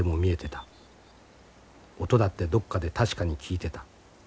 音だってどこかで確かに聞いてた。